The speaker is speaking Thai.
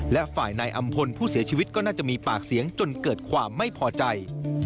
และฝ่ายนายอำพลผู้เสียชีวิตก็น่าจะมีปากเสียงจนเกิดความไม่พอใจ